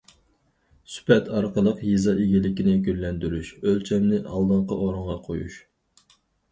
سۈپەت ئارقىلىق يېزا ئىگىلىكىنى گۈللەندۈرۈش، ئۆلچەمنى ئالدىنقى ئورۇنغا قويۇش.